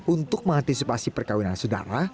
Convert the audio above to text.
untuk mengantisipasi perkawinan sedara